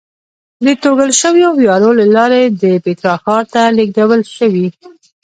د توږل شویو ویالو له لارې به د پیترا ښار ته لېږدول شوې.